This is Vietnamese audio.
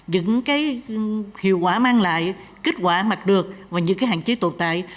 những cái hiệu quả mang lại kết quả mặc được và những cái hạn chế tồn tại